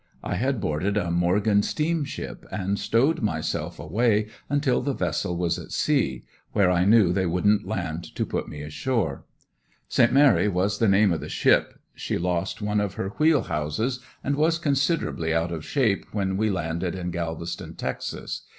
I had boarded a Morgan steamship and stowed myself away until the vessel was at sea, where I knew they wouldn't land to put me ashore. "St. Mary" was the name of the ship. She lost one of her wheel houses and was considerably out of shape when we landed in Galveston, Texas.